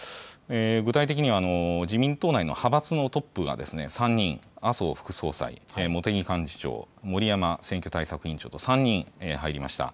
具体的には、自民党内の派閥のトップが３人、麻生副総裁、茂木幹事長、森山選挙対策委員長と３人、入りました。